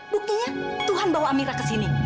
buktinya tuhan bawa amira kesini